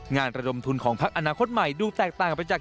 ระดมทุนของพักอนาคตใหม่ดูแตกต่างไปจาก